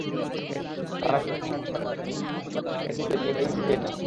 তাঁরা রাতে বিষয়টি মীমাংসা করে দেওয়ার প্রতিশ্রুতি দিলে তিনি বাড়ি ফিরে যান।